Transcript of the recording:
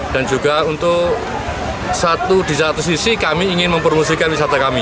dan juga untuk di satu sisi kami ingin mempromosikan wisata kami